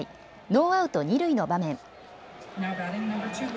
ノーアウト二塁の場面。